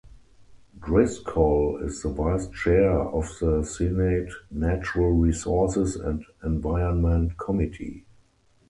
Driscoll is the vice chair of the Senate Natural Resources and Environment Committee.